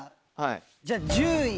じゃあ１０位。